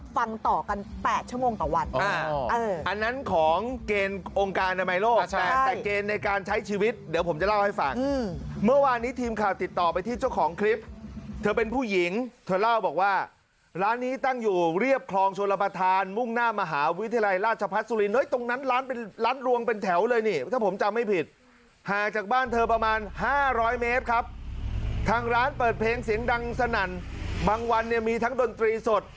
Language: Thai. ฝากเมื่อวานนี้ทีมข่าวติดต่อไปที่ช่วยของคลิปเธอเป็นผู้หญิงเธอเล่าบอกว่าร้านนี้ตั้งอยู่เรียบคลองโชว์ระบาทานมุ่งหน้ามหาวิทยาลัยราชพัฒน์สุรินตรงนั้นร้านเป็นร้านลวงเป็นแถวเลยนี่ถ้าผมจำไม่ผิดหาจากบ้านเธอประมาณ๕๐๐เม